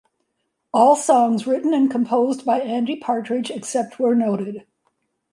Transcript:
All songs written and composed by Andy Partridge, except where noted.